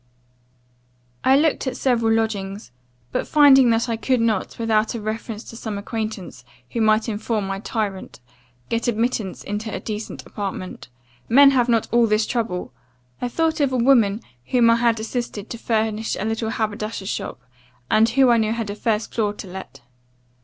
"I looked at several lodgings; but finding that I could not, without a reference to some acquaintance, who might inform my tyrant, get admittance into a decent apartment men have not all this trouble I thought of a woman whom I had assisted to furnish a little haberdasher's shop, and who I knew had a first floor to let.